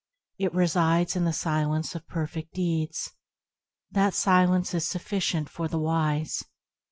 It resides in the silence of Perfect Deeds. That silence is sufficient for the wise.